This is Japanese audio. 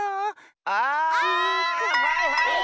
あはいはい！